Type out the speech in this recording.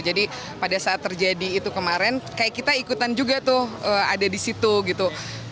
jadi pada saat terjadi itu kemarin kayak kita ikutan juga tuh ada disitu gitu